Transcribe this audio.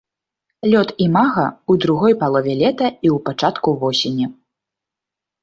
Лёт імага ў другой палове лета і ў пачатку восені.